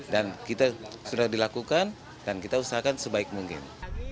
kita sudah dilakukan dan kita usahakan sebaik mungkin